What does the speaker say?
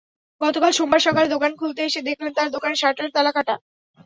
গতকাল সোমবার সকালে দোকান খুলতে এসে দেখেন তাঁর দোকানের শার্টারের তালা কাটা।